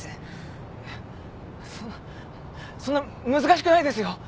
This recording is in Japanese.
えっそんなそんな難しくないですよ。